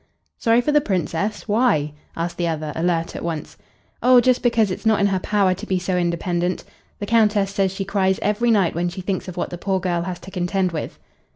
"Sorry for the Princess? Why?" asked the other, alert at once. "Oh, just because it's not in her power to be so independent. The Countess says she cries every night when she thinks of what the poor girl has to contend with."